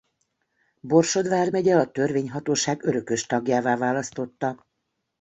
Borsod vármegye a törvényhatóság örökös tagjává választotta.